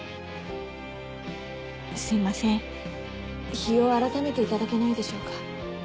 すいません日を改めていただけないでしょうか。